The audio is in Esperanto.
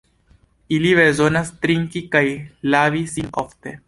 Ili bezonas trinki kaj lavi sin ofte.